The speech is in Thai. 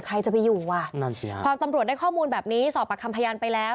ใครจะไปอยู่อ่ะนั่นสิฮะพอตำรวจได้ข้อมูลแบบนี้สอบประคำพยานไปแล้ว